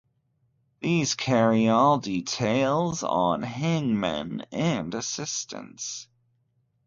These carry all details on hangmen and assistants.